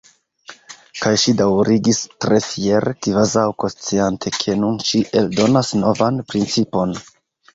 Kaj ŝi daŭrigis tre fiere, kvazaŭ konsciante ke nun ŝi eldonas novan principon.